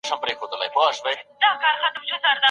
قصاص د مړي حق دی.